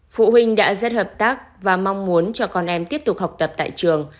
phụ huynh đã rất hợp tác và mong muốn cho con em tiếp tục học tập tại trường